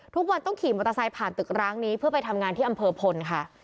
ทุกวันต้องขี่มอเตอร์ไซค์ผ่านตึกร้างนี้เพื่อไปทำงานที่อำเภอพลค่ะ